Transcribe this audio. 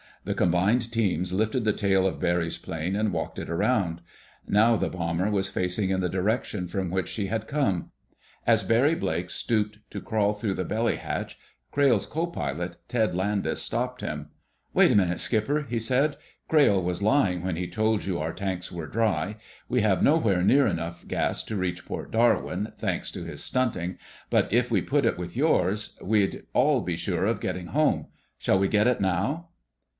The combined teams lifted the tail of Barry's plane and walked it around. Now the bomber was facing in the direction from which she had come. As Barry Blake stooped to crawl through the belly hatch, Crayle's co pilot, Ted Landis, halted him. "Wait a minute, Skipper," he said. "Crayle was lying when he told you our tanks were dry. We have nowhere near enough gas to reach Port Darwin, thanks to his stunting, but if we put it with yours, we'd all be sure of getting home. Shall we get it now?"